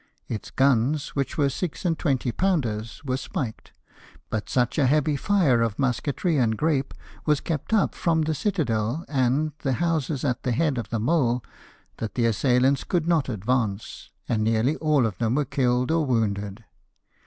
Its guns, Avhich were six and twenty pounders, were spiked ; but such a heavy fire of musketry and grape was kept up from the citadel and the houses at the head of the mole that the assailants could not advance, and nearly all of them were killed or wounded.